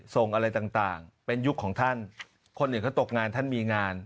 ส่งอะไรต่างเป็นยุคของท่านคนอื่นเขาตกงานท่านมีงาน